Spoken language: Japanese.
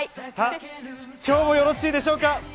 今日もよろしいでしょうか？